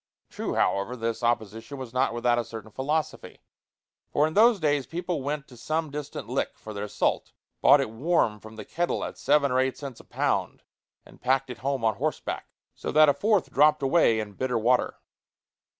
True, however, this opposition was not without a certain philosophy; for in those days people went to some distant lick for their salt, bought it warm from the kettle at seven or eight cents a pound, and packed it home on horseback, so that a fourth dropped away in bitter water.